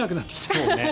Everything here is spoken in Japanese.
そうね。